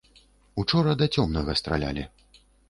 Учора да цёмнага стралялі.